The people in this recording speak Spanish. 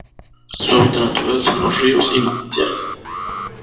Su hábitat natural son los ríos y manantiales.